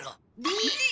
えっ！